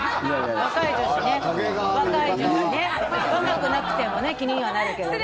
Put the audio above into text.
若くなくてもね気にはなるけどね。